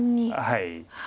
はい。